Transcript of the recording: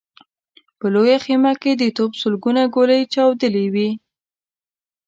په لويه خيمه کې د توپ سلګونه ګولۍ چاودلې وې.